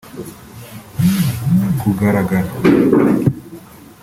Kugugarara